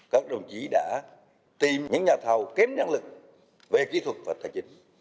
các đồng chí đã tìm những nhà thầu kém năng lực về kỹ thuật và tài chính